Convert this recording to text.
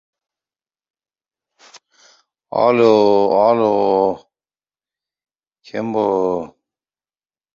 Prezident ko‘p tarmoqli tibbiyot markazi qurilishini borib ko‘rdi